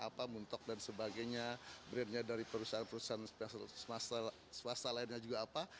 apa muntok dan sebagainya brandnya dari perusahaan perusahaan swasta lainnya juga apa